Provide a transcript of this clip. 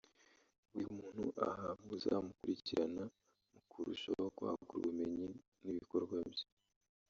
buri muntu ahabwa uzamukurikirana mu kurushaho kwagura ubumenyi n’ibikorwa bye